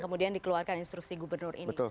kemudian dikeluarkan instruksi gubernur ini